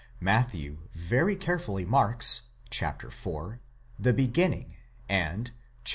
* Matthew very carefully marks (chap. iv.) the beginning and (chap.